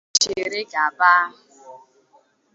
ya chịrị gaba